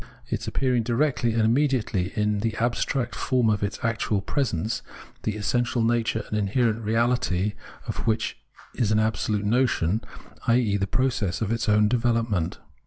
Its appearing directly and immediately is the abstract form of its actual presence, the essential nature and inherent reality of which is an absolute notion, i.e. the process of its own development.